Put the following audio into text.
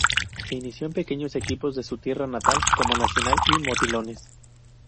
Se inició en pequeños equipos de su tierra natal, como Nacional y Motilones.